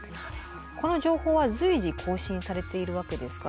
この情報は随時更新されているわけですか？